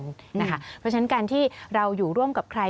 เพราะฉะนั้นการที่เราอยู่ร่วมกับใคร